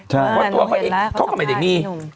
ใช่คุณเห็นแล้วเขาก็เป็นเด็กมี